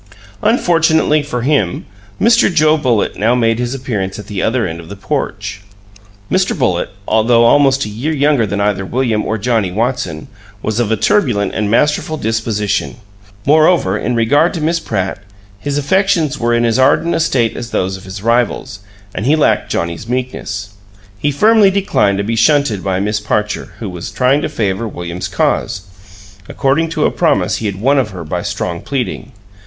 Unfortunately for him, Mr. Joe Bullitt now made his appearance at the other end of the porch. Mr. Bullitt, though almost a year younger than either William or Johnnie Watson, was of a turbulent and masterful disposition. Moreover, in regard to Miss Pratt, his affections were in as ardent a state as those of his rivals, and he lacked Johnnie's meekness. He firmly declined to be shunted by Miss Parcher, who was trying to favor William's cause, according to a promise he had won of her by strong pleading.